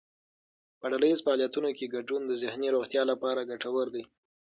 په ډلهییز فعالیتونو کې ګډون د ذهني روغتیا لپاره ګټور دی.